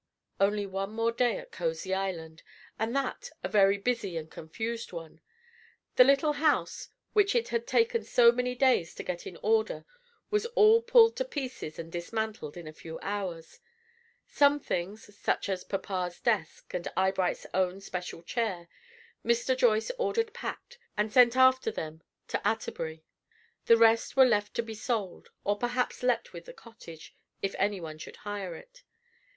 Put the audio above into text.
Only one more day at Causey Island, and that a very busy and confused one. The little house, which it had taken so many days to get in order, was all pulled to pieces and dismantled in a few hours. Some things, such as papa's desk, and Eyebright's own special chair, Mr. Joyce ordered packed, and sent after them to Atterbury; the rest were left to be sold, or perhaps let with the cottage, if any one should hire it.